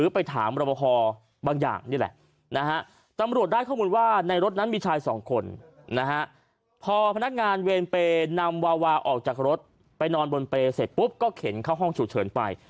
ไปนอนบนเปรย์เสร็จปุ๊บก็เข็นเข้าห้องฉุดเฉินไป